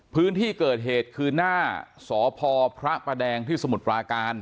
พื้นที่เกิดเหตุคือหน้าสพพระประแดงที่สมุทรปราการ